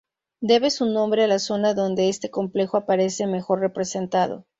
Debe su nombre a la zona donde este complejo aparece mejor representado.